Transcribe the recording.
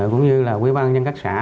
cũng như là quý băng nhân các xã